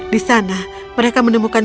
di sana mereka menemukan